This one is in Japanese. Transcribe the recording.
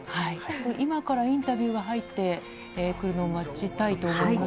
今からインタビューが入ってくるのを待ちたいと思います。